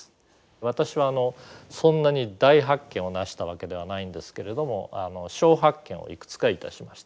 私はそんなに大発見をなしたわけではないんですけれども小発見をいくつかいたしました。